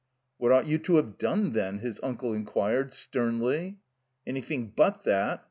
"What ought you to have done then?" his uncle inquired, sternly. "Anjrthing but that.